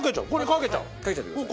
かけちゃってください。